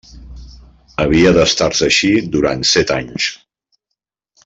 Havia d'estar-se així durant set anys.